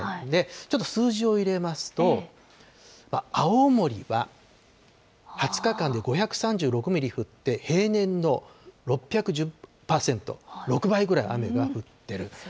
ちょっと数字を入れますと、青森は２０日間で５３６ミリ降って、平年の６１０％、６倍ぐらい雨が降ってる。